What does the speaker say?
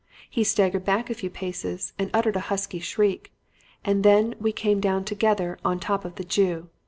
He staggered back a few paces and uttered a husky shriek, and then we came down together on top of the Jew.